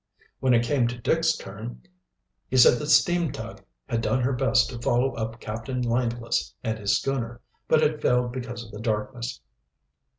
When it came to Dick's turn, he said the steam tug had done her best to follow up Captain Langless and his schooner, but had failed because of the darkness.